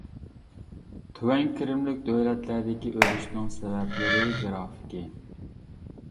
تۆۋەن كىرىملىك دۆلەتلەردىكى ئۆلۈشنىڭ سەۋەبلىرى گىرافىكى.